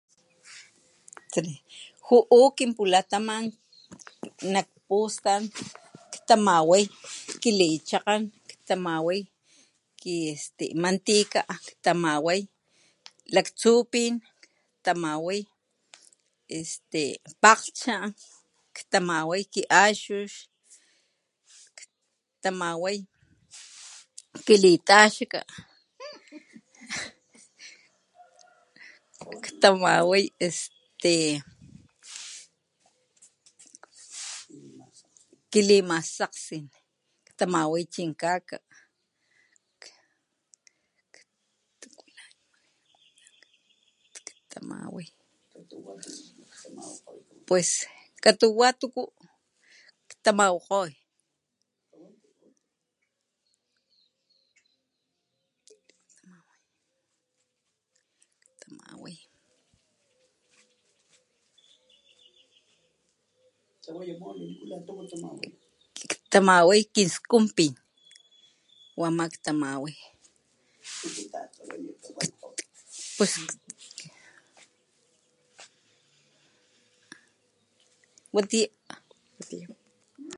Ju'u kinpulataman nak pustan ktamaway: kilichakgan, ktamaway ki este mantika ktamaway laktsupín, ktamaway este pakglhcha, ktamawayki axux, ktamaway kilitaxaka, ktamaway este... kilimasakgsín, ktamaway chinkaka ktamaway pues katuwa tuku ktamawakgoy...... ktamaway.... ktamaway kiskunpín wama ktamaway pues watiya.